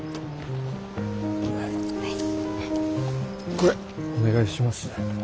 これお願いしますね。